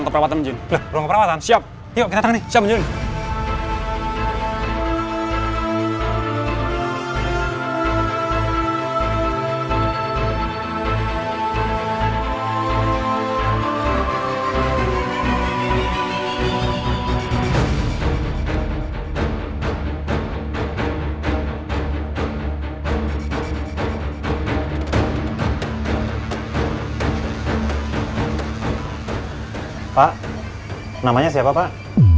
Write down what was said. pak namanya siapa pak